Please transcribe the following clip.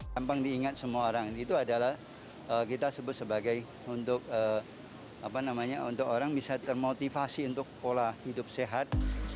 gampang diingat semua orang itu adalah kita sebut sebagai untuk orang bisa termotivasi untuk pola hidup sehat